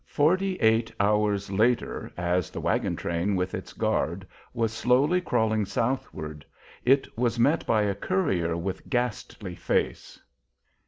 Forty eight hours later, as the wagon train with its guard was slowly crawling southward, it was met by a courier with ghastly face.